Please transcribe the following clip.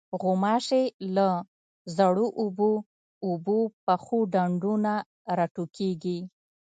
غوماشې له زړو اوبو، اوبو پخو ډنډو نه راټوکېږي.